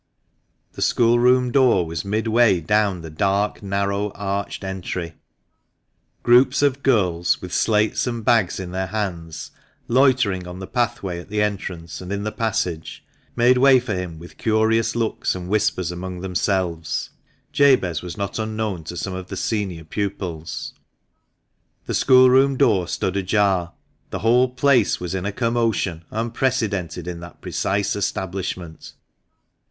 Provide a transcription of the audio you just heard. The schoolroom door was midway down the dark, narrow, arched entry. Groups of girls, with slates and bags in their hands, loitering on the pathway at the entrance and in the passage, made way for him, with curious looks and whispers among themselves (Jabez was not unknown to some of the senior pupils). The schoolroom door stood ajar ; the whole place was in a commotion unprecedented in that precise establishment.